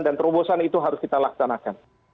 dan terobosan itu harus kita laksanakan